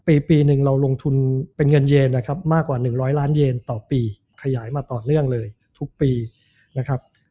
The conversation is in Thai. ปีหนึ่งเราลงทุนเป็นเงินเยนนะครับมากกว่า๑๐๐ล้านเยนต่อปีขยายมาต่อเนื่องเลยทุกปีนะครับ